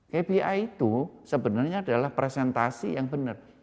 kpi itu sebenarnya adalah presentasi yang benar